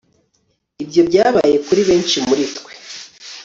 ibyo byabaye kuri benshi muri twe